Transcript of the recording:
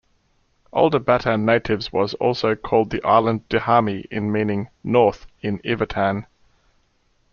Older Batan natives was also called the island Dihami, meaning ""north"" in Ivatan.